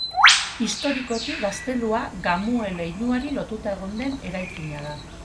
Historikoki, gaztelua, Gamue leinuari lotuta egon den eraikina da.